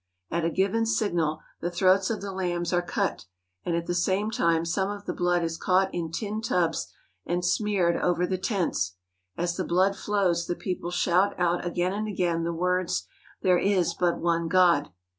At a given signal the throats of the lambs are cut, and at the same time some of the blood is caught in tin tubs and smeared over the tents. As the blood flows the people shout out again and again the words " There is but one God."